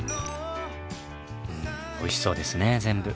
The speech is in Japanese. うんおいしそうですね全部。